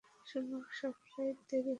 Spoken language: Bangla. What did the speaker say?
শুনলাম সব ফ্লাইটই দেরি হচ্ছে।